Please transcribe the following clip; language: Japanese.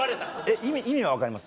意味は分かります？